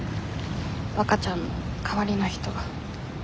わかちゃんの代わりの人が。